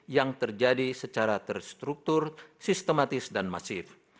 yang terjadi secara terstruktur sistematis dan masif